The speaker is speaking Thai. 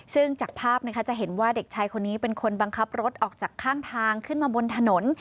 ซึ่งจากภาพนะคะจะเห็นว่าเด็กชายคนนี้เป็นคนบังคับรถออกจากข้างทางขึ้นมาบนถนน